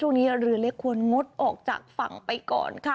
เรือเล็กควรงดออกจากฝั่งไปก่อนค่ะ